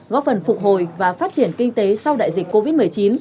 góp phần phục hồi và phát triển kinh tế sau đại dịch covid một mươi chín